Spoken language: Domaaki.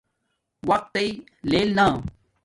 وقت تݵ لیل ناݵ